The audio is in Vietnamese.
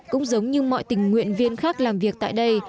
cũng giống như mọi tình nguyện viên khác làm việc tại đây